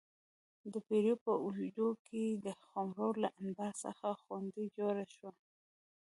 د پېړیو په اوږدو کې د خُمرو له انبار څخه غونډۍ جوړه شوه